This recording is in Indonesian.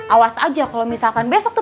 awas aja kalau misalkan besok tuh